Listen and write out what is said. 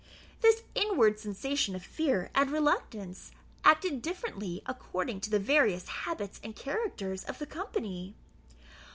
This inward sensation of fear and reluctance acted differently, according to the various habits and characters of the company.